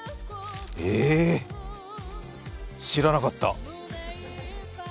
えー、知らなかった。